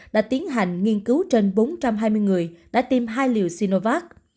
đã tiến hành nghiên cứu trên bốn trăm hai mươi người đã tiêm hai liều sinovac